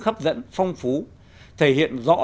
hấp dẫn phong phú thể hiện rõ